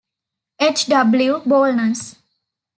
H. W. Balnes.